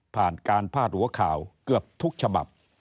ผ่านการพาดหัวข่าวเกือบทุกฉบับ